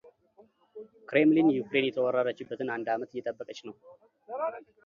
ክሬምሊን ዩክሬን የተወረረችበትን አንድ አመት እየጠበቀች ነው።